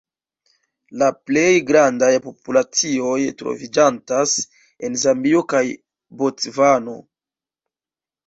La plej grandaj populacioj troviĝantas en Zambio kaj Bocvano.